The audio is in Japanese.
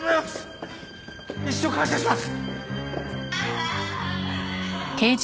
一生感謝します！